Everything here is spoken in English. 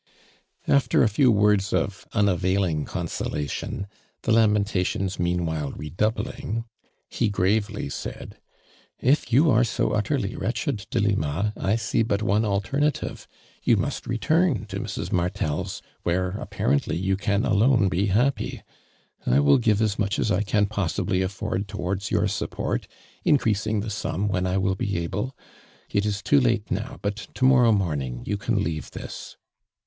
After a few words of unavailing conso lation, the lamentations meanwhile re doubling, ho gravely said: "If you are so utterly wretched, Delima, I see but one al ternative. You must return to Mrs. Mar tel's where apparently you cjin alone be iiappy. I will give as much as I can possi bly atibrd towards your support, increasing the sum when I will be able. It is too late .now, but to morrow morning you can leave this."